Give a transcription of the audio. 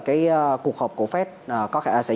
cái cuộc họp của fed sẽ